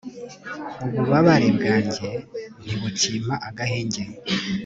ububabare bwanjye ntibukimpa agahenge